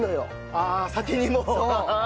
ああ先にもう？